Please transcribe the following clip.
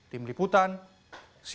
tim liputan cnn indonesia